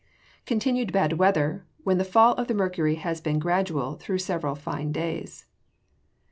Continued bad weather, when the fall of the mercury has been gradual through several fine days.